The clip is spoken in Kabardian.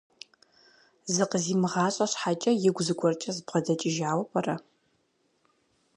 Зыкъызимыгъащӏэ щхьэкӏэ, игу зыгуэркӏэ збгъэдэкӏыжауэ пӏэрэ?